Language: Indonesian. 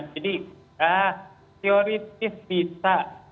jadi teoritis bisa